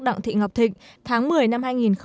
đặng thị ngọc thịnh tháng một mươi năm hai nghìn một mươi